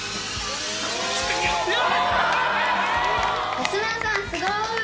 安村さん、すごい。